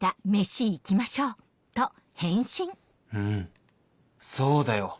うんそうだよ